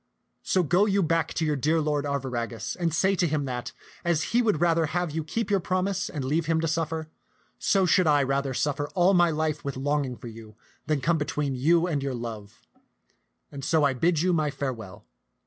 So go you back to your dear lord Arviragus, and say to him that, as he would rather have you keep your promise and leave him to suffer, so should I rather suffer all my life with longing for you than come between you and your love ; and so I bid you my farewell."